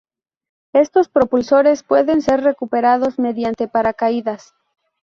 Estos propulsores pueden ser recuperados mediante paracaídas.